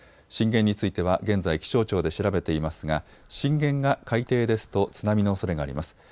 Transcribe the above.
震源については現在、気象庁で調べていますが震源が海底ですと津波のおそれがあります。